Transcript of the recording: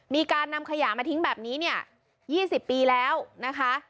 มีการนำขยะมาทิ้งแบบนี้เนี่ย๒๐ปีแล้วนะคะ